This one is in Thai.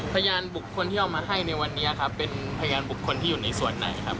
พยานบุคคลที่เอามาให้ในวันนี้ครับเป็นพยานบุคคลที่อยู่ในส่วนไหนครับ